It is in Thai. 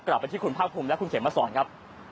กลับไปที่คุณภาคภูมิและคุณเขมมาสอนครับ